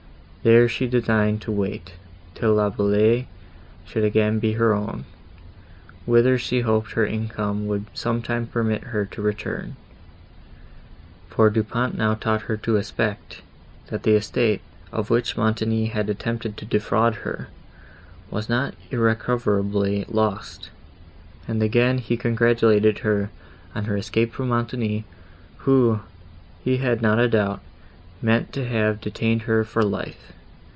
There, she designed to wait, till La Vallée should again be her own, whither she hoped her income would some time permit her to return; for Du Pont now taught her to expect, that the estate, of which Montoni had attempted to defraud her, was not irrecoverably lost, and he again congratulated her on her escape from Montoni, who, he had not a doubt, meant to have detained her for life.